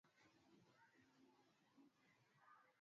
Athari imeangusha sana hali ya Uchumi na kufuta mafanikio yaliyokwisha